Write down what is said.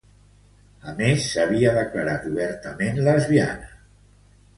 A més, s'havia declarat obertament lesbiana.